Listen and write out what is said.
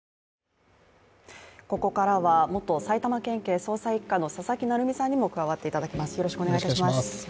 ここからは元埼玉県警捜査１課の佐々木成三さんにも加わっていただきます。